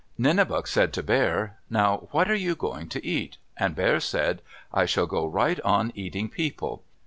Nenebuc said to Bear, "Now what are you going to eat?" and Bear said, "I shall go right on eating people."